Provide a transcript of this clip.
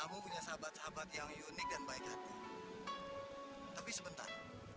kamu punya sahabat sahabat yang unik dan baik hati tapi sebentar